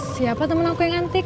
siapa teman aku yang antik